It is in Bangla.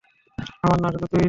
আমরা না, শুধু তুই।